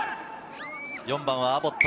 ４番はアボット。